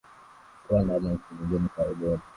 rwanda ama nchi nyingine karibuni